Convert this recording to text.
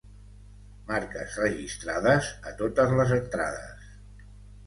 Marques registrades a totes les entrades.